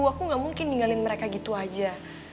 aku gak mungkin ninggalin mereka gitu aja